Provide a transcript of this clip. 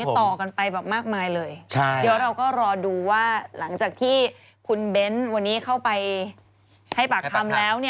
ต่อกันไปแบบมากมายเลยเดี๋ยวเราก็รอดูว่าหลังจากที่คุณเบ้นวันนี้เข้าไปให้ปากคำแล้ว